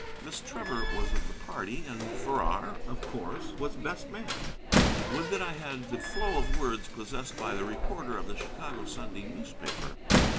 Miss Trevor was of the party, and Farrar, of course, was best man. Would that I had the flow of words possessed by the reporter of the Chicago Sunday newspaper!